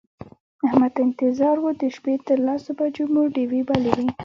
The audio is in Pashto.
احمد ته انتظار و د شپې تر لسو بجو مو ډېوې بلې وې.